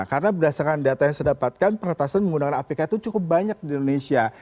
karena berdasarkan data yang saya dapatkan peretasan menggunakan apk itu cukup banyak di indonesia